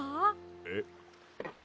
えっ？